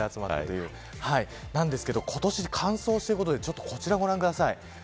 なんですけど今年乾燥しているということでこちらをご覧ください。